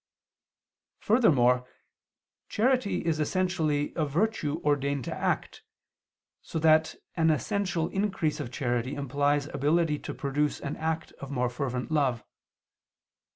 Furthermore, charity is essentially a virtue ordained to act, so that an essential increase of charity implies ability to produce an act of more fervent love.